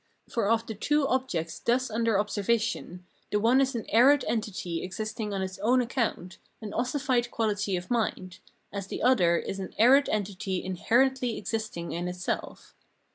For of the two objects thus under observation, the one is an arid entity esisting on its own account, an ossified quahty of mind, as the other is an arid entity inherently existing in itself.